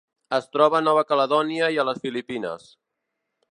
Es troba a Nova Caledònia i a les Filipines.